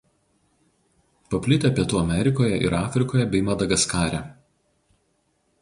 Paplitę Pietų Amerikoje ir Afrikoje bei Madagaskare.